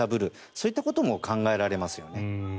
そういったことも考えられますね。